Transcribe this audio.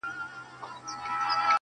ویل ځوانه په امان سې له دښمنه.!